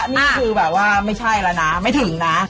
นี่คือแบบว่าไม่ใช่แล้วนะไม่ถึงนะ